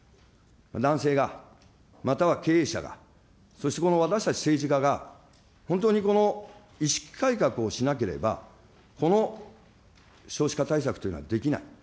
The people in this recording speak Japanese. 男性が、または経営者が、そしてこの私たち政治家が、本当にこの意識改革をしなければ、この少子化対策というのはできない。